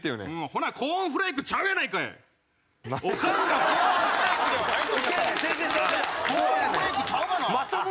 ほなコーンフレークちゃうやないかい！